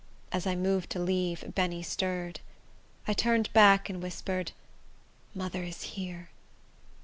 As I moved to leave, Benny stirred. I turned back, and whispered, "Mother is here."